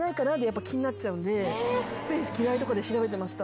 「スペース嫌い」とかで調べてました。